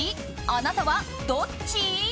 あなたはどっち？